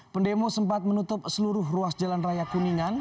pendemo sempat menutup seluruh ruas jalan raya kuningan